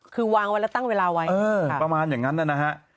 คือวางไว้แล้วตั้งเวลาไว้ประมาณอย่างนั้นนะฮะ